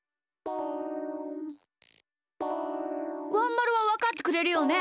ワンまるはわかってくれるよね？